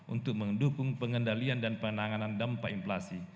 untuk mendukung pengendalian dan penanganan dampak inflasi